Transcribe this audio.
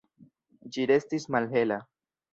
Ĝi restis malhela.